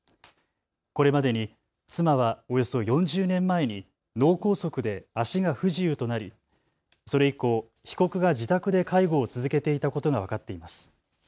これまでに妻はおよそ４０年前に脳梗塞で足が不自由となりそれ以降、被告が自宅で介護を続けていたことが分かっています。